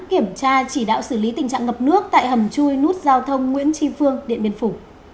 kiểm tra chỉ đạo xử lý tình trạng ngập nước tại hầm chui nút giao thông nguyễn tri phương điện biên phủ